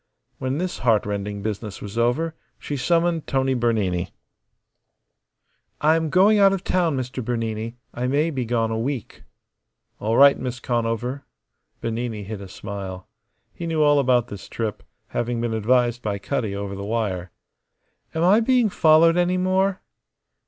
When this heartrending business was over she summoned Tony Bernini. "I am going out of town, Mr. Bernini. I may be gone a week." "All right, Miss Conover." Bernini hid a smile. He knew all about this trip, having been advised by Cutty over the wire. "Am I being followed any more?"